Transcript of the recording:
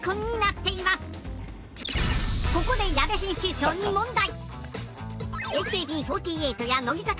ここで矢部編集長に問題。